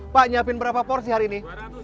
pak nyiapin berapa porsi hari ini